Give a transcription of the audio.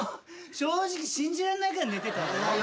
正直信じられないぐらい寝てたわよ。